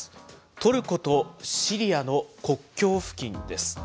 トルコとシリアの国境付近です。